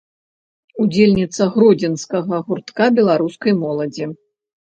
Удзельніца гродзенскага гуртка беларускай моладзі.